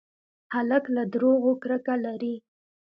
هلک له دروغو کرکه لري.